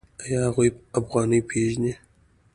آیا هغوی افغانۍ پیژني؟